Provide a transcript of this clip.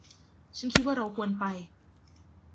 ฉันคิดว่าเราควรไป